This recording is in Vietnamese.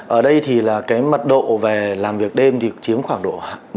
ở đây thì là cái mật độ về làm việc đêm thì chiếm khoảng độ một mươi năm hai mươi